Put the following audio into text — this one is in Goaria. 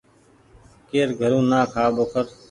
ڪير گھرون نا کآ ٻوکر